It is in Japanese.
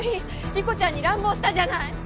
理子ちゃんに乱暴したじゃない！